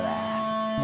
itu memang gimana sih